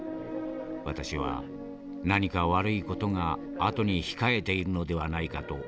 私は何か悪い事があとに控えているのではないかと恐れていた。